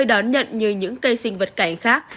đón nhận như những cây sinh vật cảnh khác